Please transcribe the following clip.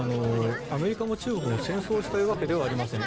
アメリカも中国も戦争したいわけではありません。